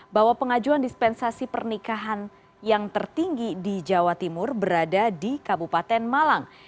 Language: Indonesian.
bahwa pengajuan dispensasi pernikahan yang tertinggi di jawa timur berada di kabupaten malang